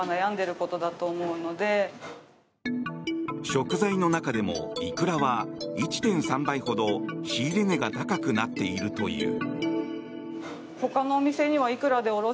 食材の中でもイクラは１．３倍ほど仕入れ値が高くなっているという。